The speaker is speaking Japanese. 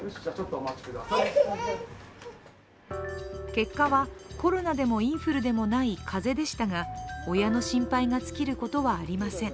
結果はコロナでもインフルでもない風邪でしたが親の心配が尽きることはありません。